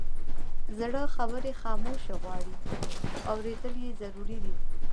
زړه خبرې خاموشي غواړي، خو اورېدل یې ضروري دي.